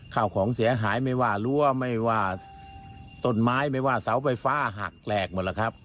ข้าวของเสียหายไม่ว่ารั้วไม่ว่าต้นไม้ไม่ว่าเสาไฟฟ้าหักแหลกหมดแล้วครับ